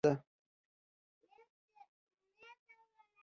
د منځکي په اواړه کې زمۍ او دوزان را شنه شوي دي.